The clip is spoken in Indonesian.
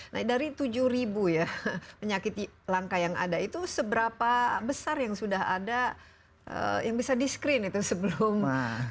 nah dari tujuh ribu ya penyakit langka yang ada itu seberapa besar yang sudah ada yang bisa di screen itu sebelum